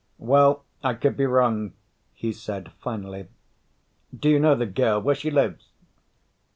"Well, I could be wrong," he said finally. "Do you know the girl? Where she lives?"